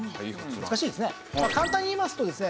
難しいですね。